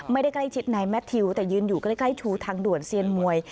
ไม่ได้ใกล้ชิดนายแมททิวแต่ยืนอยู่ใกล้ชูทางด่วนเซียนมวย